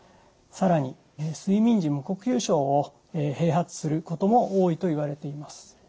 更に睡眠時無呼吸症を併発することも多いといわれています。